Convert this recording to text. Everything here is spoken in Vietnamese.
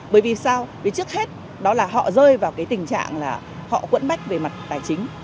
bởi vì sao vì trước hết đó là họ rơi vào cái tình trạng là họ quẫn bách về mặt tài chính